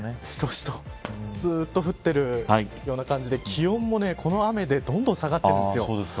ずっと降っているような感じで気温もこの雨でどんどん下がっているんです。